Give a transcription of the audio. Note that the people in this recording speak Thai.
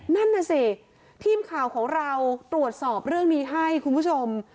นั่นน่ะสิทีมข่าวของเราตรวจสอบเรื่องนี้ให้คุณผู้ชม